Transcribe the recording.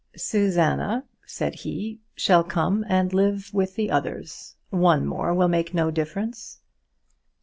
"Susanna," said he, "shall come and live with the others; one more will make no difference."